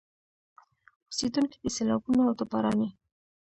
اوسېدونکي د سيلابونو او د باراني